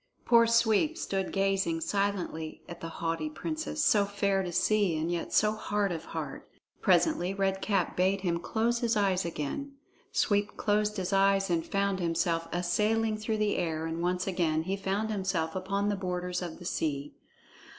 Poor Sweep stood gazing silently at the haughty princess, so fair to see and yet so hard of heart. Presently Red Cap bade him close his eyes again. Sweep closed his eyes and found himself a sailing through the air, and once again he found himself upon the borders of the sea.